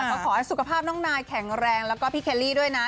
ก็ขอให้สุขภาพน้องนายแข็งแรงแล้วก็พี่เคลลี่ด้วยนะ